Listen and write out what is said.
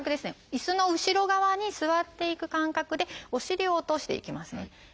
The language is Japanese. いすの後ろ側に座っていく感覚でお尻を落としていきますね。